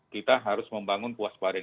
kita harus membangun kewaspadaan